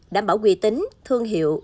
đảm bảo quy tính thương hiệu